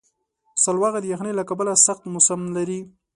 سلواغه د یخنۍ له کبله سخت موسم لري.